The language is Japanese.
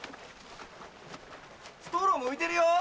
ストローも浮いてるよ。